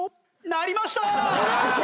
鳴りました。